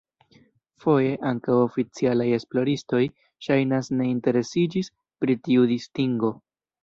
Foje, ankaŭ oficialaj esploristoj ŝajnas ne interesiĝis pri tiu distingo.